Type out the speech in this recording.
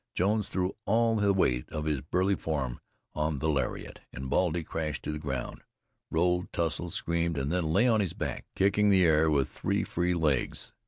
Jones threw all the weight of his burly form on the lariat, and Baldy crashed to the ground, rolled, tussled, screamed, and then lay on his back, kicking the air with three free legs.